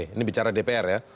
ini bicara dpr ya